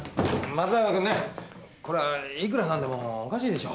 松永君ねこれはいくら何でもおかしいでしょ。